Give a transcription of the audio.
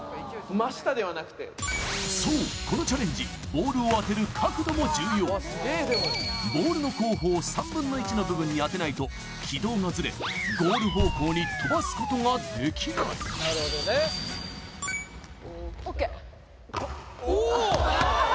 まあやっぱりそうこのチャレンジボールを当てる角度も重要ボールの後方３分の１の部分に当てないと軌道がずれゴール方向に飛ばすことができないＯＫ！